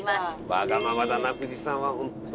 わがままだな富士山はホントに。